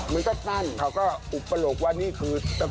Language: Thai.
มันก็นั่นเขาก็อุปโลกว่านี่คือ